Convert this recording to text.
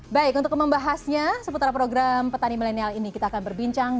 baik untuk membahasnya seputar program petani milenial ini kita akan berbincang